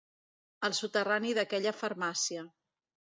Al soterrani d'aquella farmàcia.